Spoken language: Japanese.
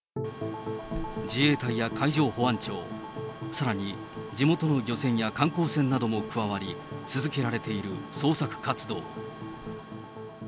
自衛隊や海上保安庁、さらに地元の漁船や観光船なども加わり、続けられている捜索活動。